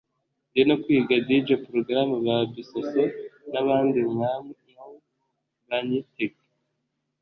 ndi no kwiga Dj program ba Bissosso n’abandi nkawe banyitege